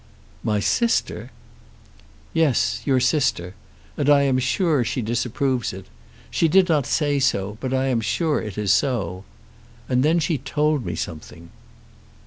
"My sister!" "Yes; your sister. And I am sure she disapproves it. She did not say so; but I am sure it is so. And then she told me something."